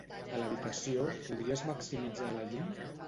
A l'habitació, podries maximitzar la llum?